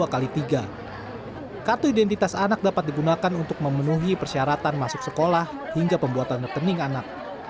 kartu identitas anak dapat digunakan untuk memenuhi persyaratan masuk sekolah hingga pembuatan rekening anak